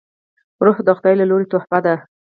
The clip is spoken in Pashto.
روح د خداي له لورې تحفه ده